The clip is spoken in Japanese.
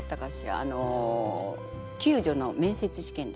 あの宮女の面接試験で。